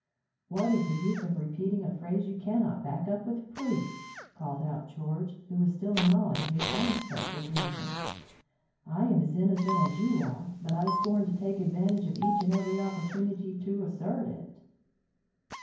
"What is the use of repeating a phrase you cannot back up with proof?" called out George, who was still gnawing his own special grievance. "I am as innocent as you are, but I scorn to take advantage of each and every opportunity to assert it."